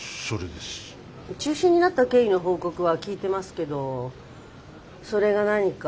中止になった経緯の報告は聞いてますけどそれが何か？